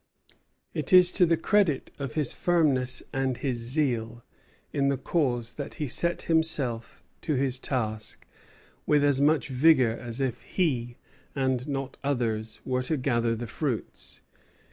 It is to the credit of his firmness and his zeal in the cause that he set himself to his task with as much vigor as if he, and not others, were to gather the fruits.